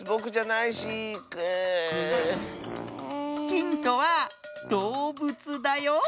ヒントはどうぶつだよ。